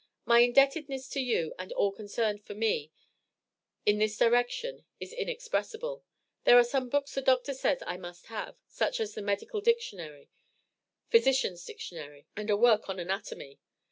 My indebtedness to you and all concerned for me in this direction is inexpressible. There are some books the Doctor says I must have, such as the Medical Dictionary, Physician's Dictionary, and a work on Anatomy.